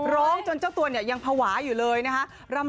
ร้องจนเจ้าตัวเนี่ยยังภาวะอยู่เลยนะคะ